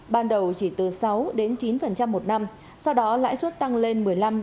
ban đầu chỉ từ sáu chín một năm sau đó lãi suất tăng lên một mươi năm ba mươi